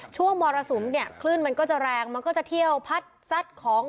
มรสุมเนี่ยคลื่นมันก็จะแรงมันก็จะเที่ยวพัดซัดของ